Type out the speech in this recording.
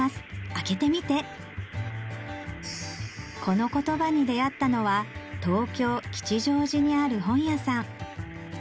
このコトバに出合ったのは東京・吉祥寺にある本屋さん